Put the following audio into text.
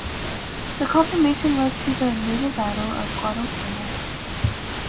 The confrontation led to the Naval Battle of Guadalcanal.